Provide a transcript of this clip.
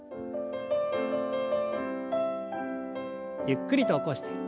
ゆっくりと起こして。